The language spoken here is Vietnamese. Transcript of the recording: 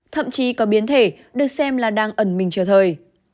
thậm chí có biến thể được xem là đang ẩn mình chờ thời